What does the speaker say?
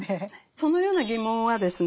そのような疑問はですね